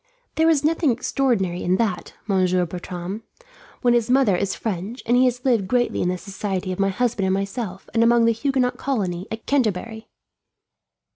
"There is nothing extraordinary in that, Monsieur Bertram, when his mother is French, and he has lived greatly in the society of my husband and myself, and among the Huguenot colony at Canterbury."